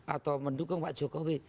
atau mendukung pak jokowi